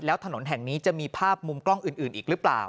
แล้วถนนแห่งนี้จะมีภาพมุมกล้องอื่นอีกหรือเปล่า